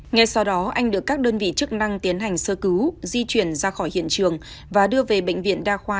ngay sau đó anh được các đơn vị chức năng tiến hành sơ cứu di chuyển ra khỏi hiện trường và đưa về bệnh viện đa khoa